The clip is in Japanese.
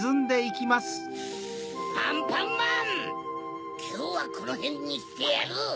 きょうはこのへんにしてやる！